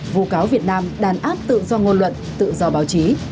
vụ cáo việt nam đàn áp tự do ngôn luận tự do báo chí